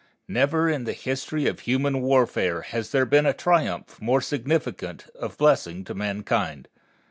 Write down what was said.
Never in the history of human warfare has there been a triumph more significant of blessing to mankind.